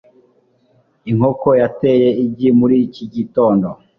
inkoko yateye igi muri iki gitondo